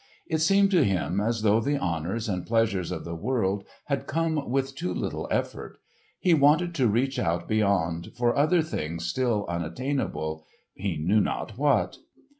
It seemed to him as though the honours and pleasures of the world had come with too little effort. He wanted to reach out beyond for other things still unattainable—he knew not what.